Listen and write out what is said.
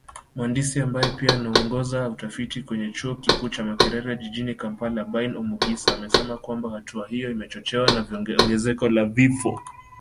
Mhandisi ambaye pia anaongoza utafiti kwenye chuo kikuu cha Makerere jijini Kampala Bain Omugisa amesema kwamba hatua hiyo imechochewa na ongezeko la vifo